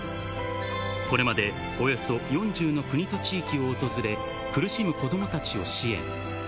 これまでおよそ４０の国と地域を訪れ、苦しむ子どもたちを支援。